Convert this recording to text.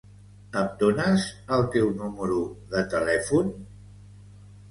Em dones el teu número de telèfon?